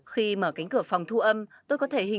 khi mở cánh cửa phòng thu âm tôi có thể hình dung ra